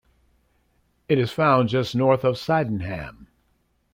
Its found just north of Sydenham.